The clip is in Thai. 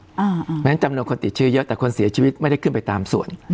เพราะฉะนั้นจำนวนคนติดเชื้อเยอะแต่คนเสียชีวิตไม่ได้ขึ้นไปตามส่วน